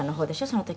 その時」